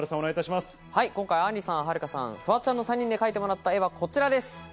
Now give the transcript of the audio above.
今回、あんりさん、はるかさん、フワちゃんの３人で描いてもらった絵はこちらです。